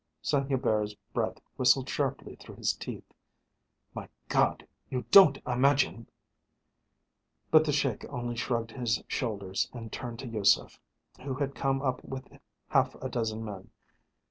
Saint Hubert's breath whistled sharply through his teeth. "My God! You don't imagine " But the Sheik only shrugged his shoulders and turned to Yusef, who had come up with half a dozen men.